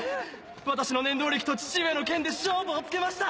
私の念動力と父上の剣で勝負をつけました！